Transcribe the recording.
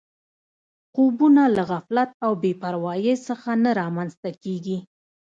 خوبونه له غفلت او بې پروایۍ څخه نه رامنځته کېږي